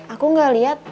aku gak liat